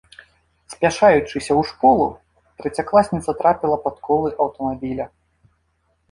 Спяшаючыся ў школу, трэцякласніца трапіла пад колы аўтамабіля.